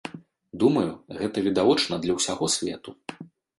Думаю, гэта відавочна для ўсяго свету.